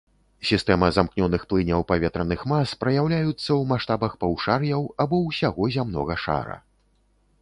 Сістэма замкнёных плыняў паветраных мас праяўляюцца ў маштабах паўшар'яў або ўсяго зямнога шара.